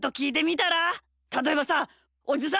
たとえばさおじさん